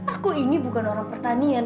aku ini bukan orang pertanian